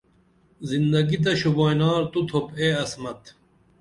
زندگی تہ شوبائنار تو تُھوپ اے عصمت